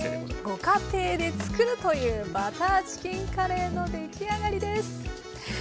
ご家庭で作るというバターチキンカレーの出来上がりです。